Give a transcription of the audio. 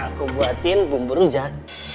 aku buatin bumbu rujak